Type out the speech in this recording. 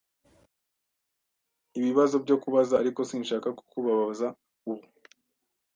Mfite ibibazo byo kubaza, ariko sinshaka kukubabaza ubu.